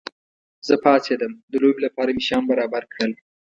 زه پاڅېدم، د لوبې لپاره مې شیان برابر کړل.